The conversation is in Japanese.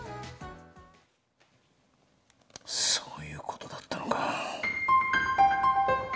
そういうことだったのか。